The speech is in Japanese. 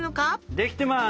できてます！